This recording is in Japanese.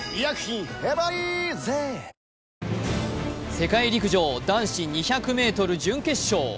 世界陸上男子２００ｍ準決勝。